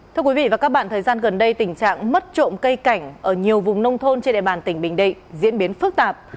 thưa quý vị và các bạn thời gian gần đây tình trạng mất trộm cây cảnh ở nhiều vùng nông thôn trên địa bàn tỉnh bình định diễn biến phức tạp